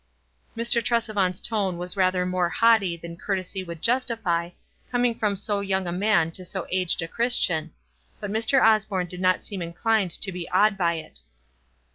Mr. Tresevant's tone was rather more haighty than courtesy would justify, coming from so young a man to so aged a Christian ; but Mr. Osborne did not seem inclined to be awed by it.